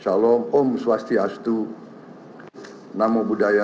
purnamirawan haji ludwig